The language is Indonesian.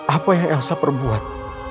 apa yang elsa perbuat